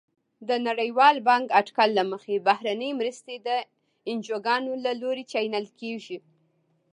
د نړیوال بانک اټکل له مخې بهرنۍ مرستې د انجوګانو له لوري چینل کیږي.